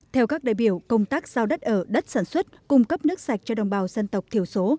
theo các đại biểu công tác giao đất ở đất sản xuất cung cấp nước sạch cho đồng bào dân tộc thiểu số